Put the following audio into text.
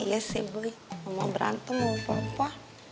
iya sih boleh mau berantem mau papa